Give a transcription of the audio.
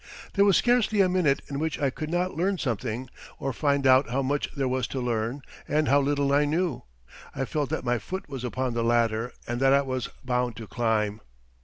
There was scarcely a minute in which I could not learn something or find out how much there was to learn and how little I knew. I felt that my foot was upon the ladder and that I was bound to climb.